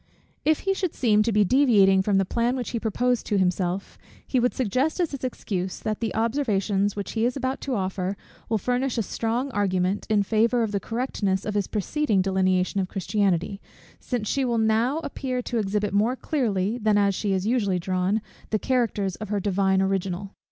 If he should seem to be deviating from the plan which he proposed to himself, he would suggest as his excuse; that the observations which he is about to offer will furnish a strong argument, in favour of the correctness of his preceding delineation of Christianity, since she will now appear to exhibit more clearly, than as she is usually drawn, the characters of her Divine original.